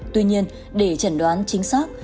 tuy nhiên để chẩn đoán chính xác